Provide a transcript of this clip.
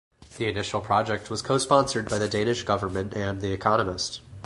The initial project was co-sponsored by the Danish government and "The Economist".